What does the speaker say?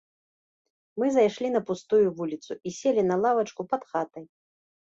Мы зайшлі на пустую вуліцу і селі на лавачку пад хатай.